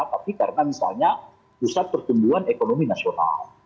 tapi karena misalnya pusat pertumbuhan ekonomi nasional